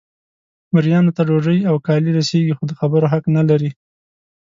مریانو ته ډوډۍ او کالي رسیږي خو د خبرو حق نه لري.